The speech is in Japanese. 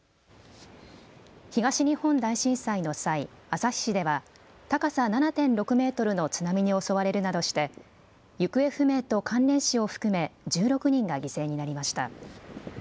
東日本大震災の際、旭市では高さ７．６メートルの津波に襲われるなどして行方不明と関連死を含め１６人が犠牲になりました。